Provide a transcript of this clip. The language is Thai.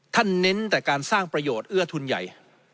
เน้นแต่การสร้างประโยชน์เอื้อทุนใหญ่